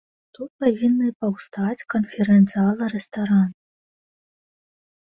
Тут павінны паўстаць канферэнц-зала, рэстаран.